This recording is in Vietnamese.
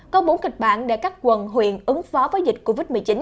có bốn kịch bản để các quận huyện ứng phó với dịch covid một mươi chín